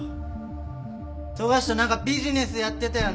富樫と何かビジネスやってたよな？